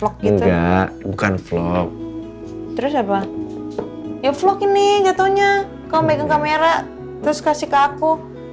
v gitu bukan vlog terus apa ya vlog ini jatuhnya kau megang kamera terus kasih ke aku